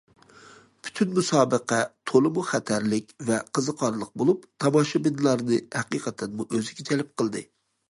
پۈتۈن مۇسابىقە تولىمۇ خەتەرلىك ۋە قىزىقارلىق بولۇپ، تاماشىبىنلارنى ھەقىقەتەنمۇ ئۆزىگە جەلپ قىلدى.